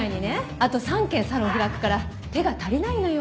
あと３軒サロンを開くから手が足りないのよ。